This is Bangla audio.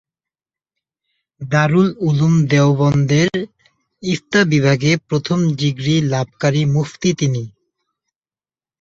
দারুল উলুম দেওবন্দের ইফতা বিভাগে প্রথম ডিগ্রি লাভকারী মুফতি তিনি।